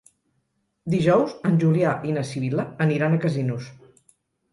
Dijous en Julià i na Sibil·la aniran a Casinos.